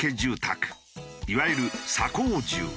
いわゆるサ高住。